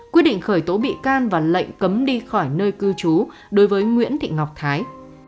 quyết định khởi tố bị can và lệnh cấm đi khỏi nơi cư trú đối với nguyễn thị ngọc thái